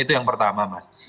itu yang pertama mas